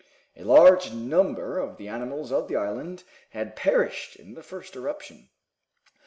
A large number of the animals of the island had perished in the first eruption.